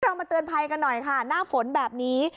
มาเตือนภัยกันหน่อยค่ะหน้าฝนแบบนี้